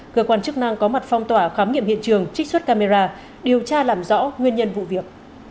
cơ quan chức năng có mặt phong tỏa khám nghiệm hiện trường trích xuất camera điều tra làm rõ nguyên nhân vụ việc